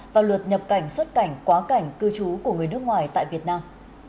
và luật nhập cảnh xuất cảnh quá cảnh cư trú của người nước ngoài tại việt nam